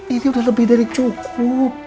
ini udah lebih dari cukup